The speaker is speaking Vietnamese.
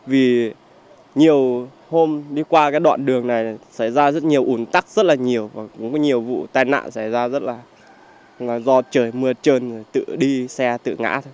vì nhiều hôm đi qua đoạn đường này xảy ra rất nhiều ủn tắc rất là nhiều vụ tai nạn xảy ra rất là do trời mưa trơn tự đi xe tự ngã